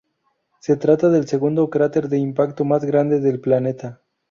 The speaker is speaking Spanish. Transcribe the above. Se trata del segundo cráter de impacto más grande del planeta.